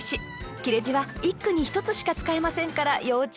切れ字は一句に一つしか使えませんから要注意ですよ。